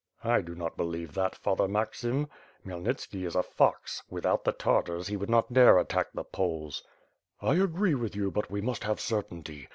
"I do not belieye that. Father Maxim. Khmyelnitski is a fox; without the Tartars he would not dare attack the Poles." "I agree with you, but we must have certainty.